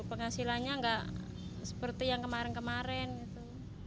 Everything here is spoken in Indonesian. penghasilannya nggak seperti yang kemarin kemarin gitu